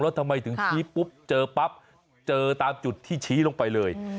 แล้วทำไมถึงชี้ปุ๊บเจอปั๊บเจอตามจุดที่ชี้ลงไปเลย